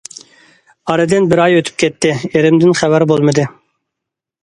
ئارىدىن بىر ئاي ئۆتۈپ كەتتى، ئېرىمدىن خەۋەر بولمىدى.